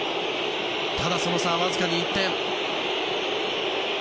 ただ、その差はわずかに１点。